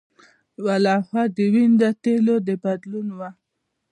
یوه لوحه د وین د تیلو د بدلون وه